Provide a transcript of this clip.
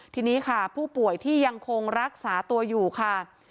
ทีนี้ค่ะผู้ป่วยที่ยังคงรักษาตัวอยู่ค่ะ